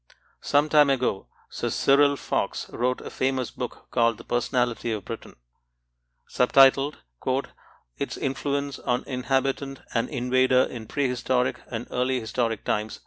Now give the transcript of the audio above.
Some time ago, Sir Cyril Fox wrote a famous book called The Personality of Britain, sub titled "Its Influence on Inhabitant and Invader in Prehistoric and Early Historic Times."